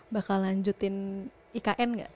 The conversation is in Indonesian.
bakal lanjutin ikn gak